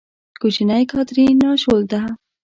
کوچنۍ کاترین، ناشولته!